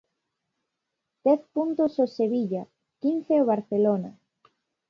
Dez puntos ao Sevilla, quince ao Barcelona.